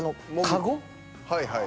はいはい。